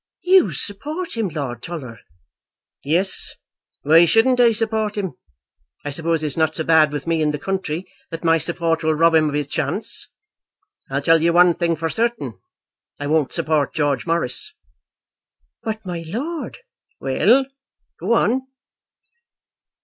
"You support him, Lord Tulla!" "Yes; why shouldn't I support him? I suppose it's not so bad with me in the country that my support will rob him of his chance! I'll tell you one thing for certain, I won't support George Morris." "But, my lord " "Well; go on."